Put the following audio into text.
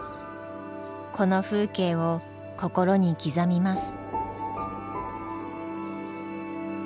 この風景を心に刻みます。